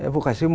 vụ khải siêu